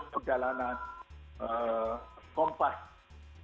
pengalaman kompas selama ini